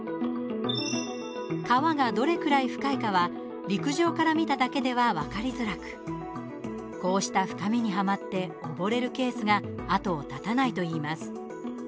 川がどれくらい深いかは陸上から見ただけでは分かりづらくこうした深みに、はまって溺れるケースが後を絶たないといいます。